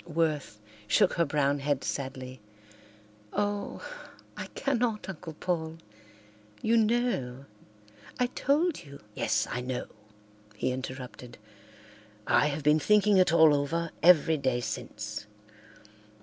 Worth shook her brown head sadly. "Oh, I cannot, Uncle Paul. You know—I told you—" "Yes, I know," he interrupted. "I have been thinking it all over every day since.